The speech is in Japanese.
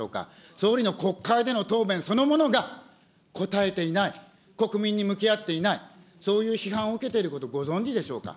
総理の国会での答弁そのものが答えていない、国民に向き合っていない、そういう批判を受けていること、ご存じでしょうか。